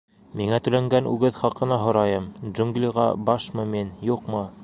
Миңә түләнгән үгеҙ хаҡына һорайым: джунглиға башмы мин, юҡмы?